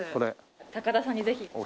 高田さんにぜひ。